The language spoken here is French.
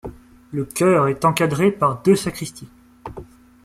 Le chœur est encadré par deux sacristies.